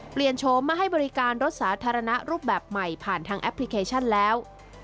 โฉมมาให้บริการรถสาธารณะรูปแบบใหม่ผ่านทางแอปพลิเคชันแล้ว